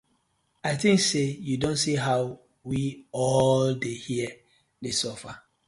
I tink say yu don see how we all dey here dey suffer.